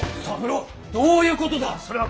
三郎どういうことだ！